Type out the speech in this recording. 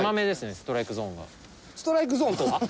ストライクゾーンとは？